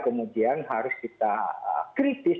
kemudian harus kita kritis